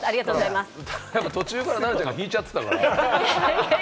途中から奈々ちゃんが引いちゃってたから。